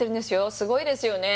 すごいですよね